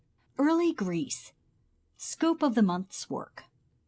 EARLY GREECE Scope of the Month's Work.